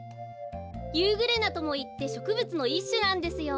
「ユーグレナ」ともいってしょくぶつのいっしゅなんですよ。